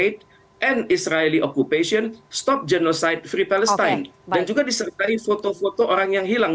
dan juga disertai foto foto orang yang hilang